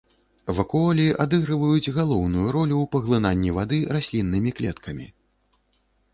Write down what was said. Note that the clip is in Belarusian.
Вакуолі адыгрываюць галоўную ролю ў паглынанні вады расліннымі клеткамі.